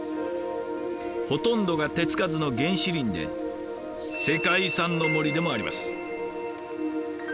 ほとんどが手付かずの原始林で世界遺産の森でもあります。